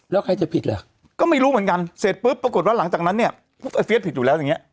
แล้วใครจะผิดเหรอก็ไม่รู้เหมือนกันเสร็จปุ๊บปรากฏว่าหลังจากนั้นเนี่ยพวกไอเฟียสผิดอยู่แล้วอย่างเงี้